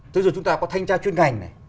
thế rồi chúng ta có thanh tra chuyên ngành này